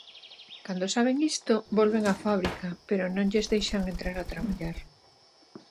Cando saben isto, volven á fábrica pero non lles deixan entrar a traballar.